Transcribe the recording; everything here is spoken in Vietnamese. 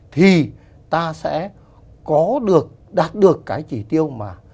thì ta sẽ có được đạt được cái chỉ tiêu mà